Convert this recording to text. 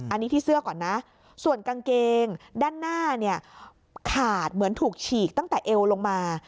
อันนี้ที่เสื้อก่อนนะส่วนกางเกงด้านหน้าเนี่ยขาดเหมือนถูกฉีกตั้งแต่เอวลงมา